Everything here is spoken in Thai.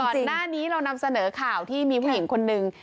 ก่อนหน้านี้เรานำเสนอข่าวที่มีผู้หญิงคนนึง